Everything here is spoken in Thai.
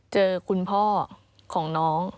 เจอคุณพ่อของน้อง